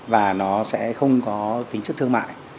và nó sẽ không có tính chất thương mại